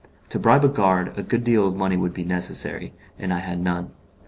To bribe a guard a good deal of money would be necessary, and I had none.